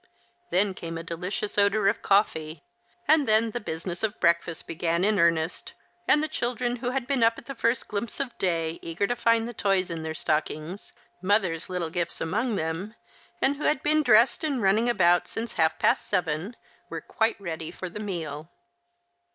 Then came a delicious odour of coffee ; and then the business of breakfast began in earnest, and the children, who had been up at the first glimpse of day, eager to find the toys in their stockings, "mother's" little gifts among them, and who had been dressed and running about since half past seven, were quite ready for the meal.